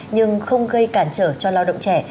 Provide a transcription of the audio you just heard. nhưng không gây cản trở cho lao động trẻ